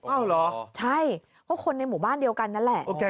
อ้าวเหรอใช่เพราะคนในหมู่บ้านเดียวกันนั่นแหละ